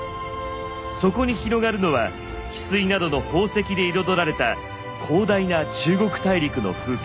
そこに広がるのは翡翠などの宝石で彩られた広大な中国大陸の風景。